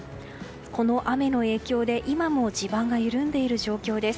この雨の影響で今も地盤が緩んでいる状況です。